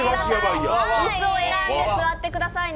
椅子を選んで座ってくださいね。